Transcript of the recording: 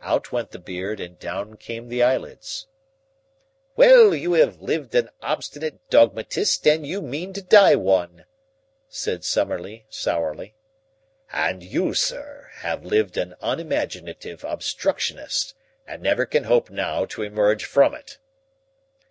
Out went the beard and down came the eyelids. "Well, you lived an obstinate dogmatist, and you mean to die one," said Summerlee sourly. "And you, sir, have lived an unimaginative obstructionist and never can hope now to emerge from it."